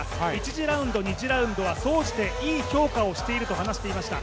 １次ラウンド、２次ラウンドは総じていい評価をしていると話していました。